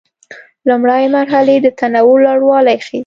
لومړۍ مرحلې د تنوع لوړوالی ښيي.